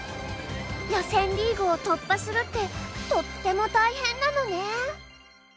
予選リーグを突破するってとっても大変なのね。